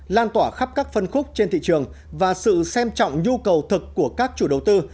lan tỏa khắp các phân khúc trên thị trường và sự xem trọng nhu cầu thực của các chủ đầu tư